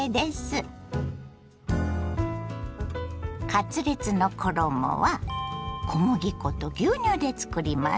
カツレツの衣は小麦粉と牛乳でつくります。